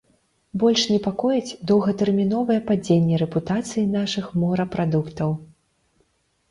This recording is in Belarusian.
Больш непакоіць доўгатэрміновае падзенне рэпутацыі нашых морапрадуктаў.